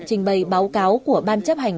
trình bày báo cáo của ban chấp hành